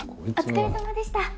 お疲れさまでした。